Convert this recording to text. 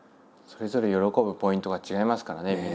それぞれ喜ぶポイントが違いますからね